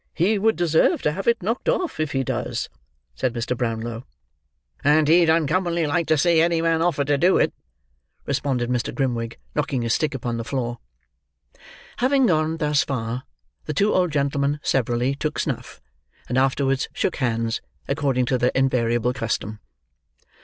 "He would deserve to have it knocked off, if he does," said Mr. Brownlow. "And he'd uncommonly like to see any man offer to do it," responded Mr. Grimwig, knocking his stick upon the floor. Having gone thus far, the two old gentlemen severally took snuff, and afterwards shook hands, according to their invariable custom.